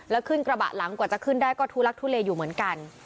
แล้วขึ้นกระบะหลังกว่าจะขึ้นได้ก็ทุลักทุเลอยู่เหมือนกัน